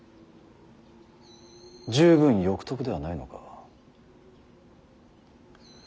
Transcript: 十分欲得ではないのか。